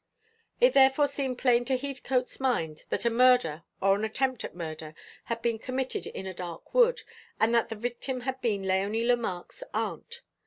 It therefore seemed plain to Heathcote's mind that a murder, or an attempt at murder, had been committed in a dark wood, and that the victim had been Léonie Lemarque's aunt.